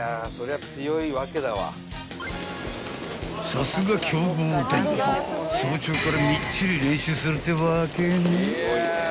［さすが］［早朝からみっちり練習するってわけね］